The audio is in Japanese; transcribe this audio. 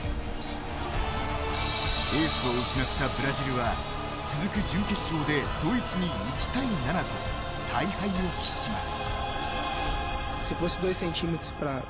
エースを失ったブラジルは続く準決勝でドイツに１対７と大敗を喫します。